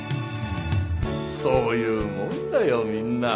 そういうもんだよみんな。